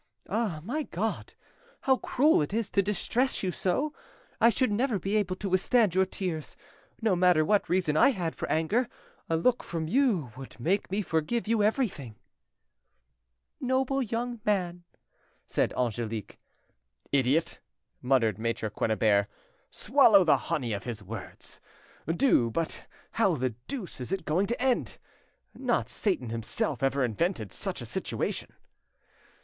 Ah, my God! how cruel it is to distress you so! I should never be able to withstand your tears; no matter what reason I had for anger, a look from you would make me forgive you everything." "Noble young man!" said Angelique. "Idiot!" muttered Maitre Quennebert; "swallow the honey of his words, do But how the deuce is it going to end? Not Satan himself ever invented such a situation."